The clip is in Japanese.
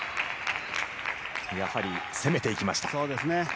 やはり攻めていきました。